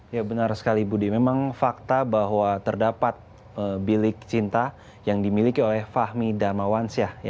ya benar sekali budi memang fakta bahwa terdapat bilik cinta yang dimiliki oleh fahmi darmawansyah